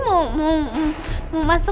bapak juga harus ikut